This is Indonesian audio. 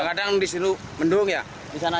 belum ada ya